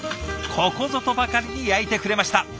ここぞとばかりに焼いてくれました。